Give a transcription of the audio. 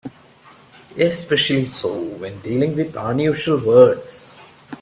Especially so when dealing with unusual words.